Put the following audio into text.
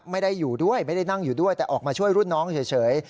ไม่ได้อยู่ด้วยไม่ได้นั่งอยู่ด้วยแต่ออกมาช่วยรุ่นน้องเฉย